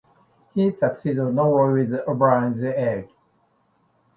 He succeeds only with Oberon's aid.